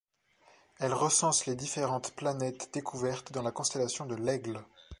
Elle recense les différentes planètes découvertes dans la constellation de l'Aigle.